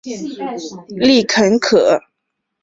丽肯可